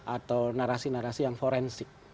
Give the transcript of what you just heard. atau narasi narasi yang forensik